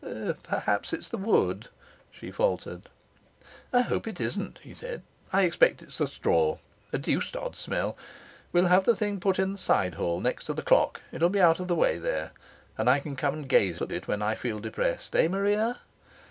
'Perhaps it's the wood!' she faltered. 'I hope it isn't,' he said. 'I expect it's the straw. A deuced odd smell. We'll have the thing put in the side hall, next to the clock. It will be out of the way there. And I can come and gaze at it when I feel depressed. Eh, Maria?'